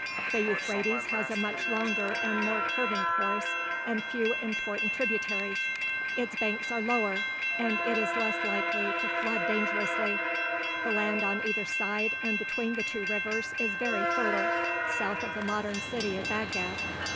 The Euphrates has a much longer and more curving course and few important tributaries. Its banks are lower and it is less likely to flood dangerously. The land on either side and between the two rivers is very fertile, south of the modern city of Baghdad.